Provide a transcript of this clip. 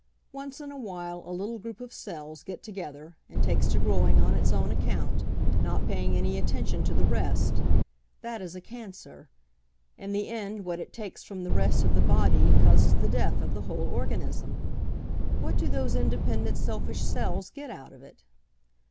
Once in a while a little group of cells get to gether and takes to growing on its own account, not paying any attention to the rest. That is a cancer. In the end what it takes from the rest of « the body causes the death of the whole organism. What do those independent, selfish cells get out of it?